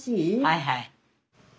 はいはい。